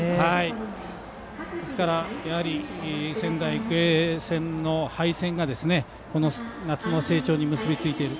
ですから、仙台育英戦の敗戦がこの夏の成長に結びついている。